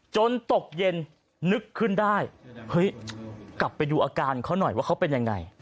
ตกเย็นนึกขึ้นได้เฮ้ยกลับไปดูอาการเขาหน่อยว่าเขาเป็นยังไง